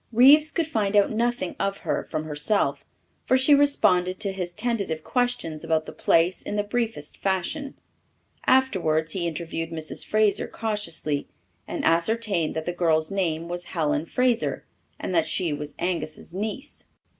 Reeves could find out nothing of her from herself, for she responded to his tentative questions about the place in the briefest fashion. Afterwards he interviewed Mrs. Fraser cautiously, and ascertained that the girl's name was Helen Fraser, and that she was Angus's niece.